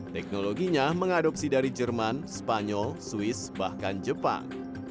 teknologinya mengadopsi dari jerman spanyol swiss bahkan jepang